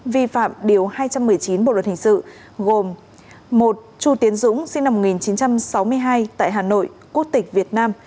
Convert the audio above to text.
vi phạm điều hai trăm một mươi chín bộ luật hình sự gồm một chu tiến dũng sinh năm một nghìn chín trăm sáu mươi hai tại hà nội quốc tịch việt nam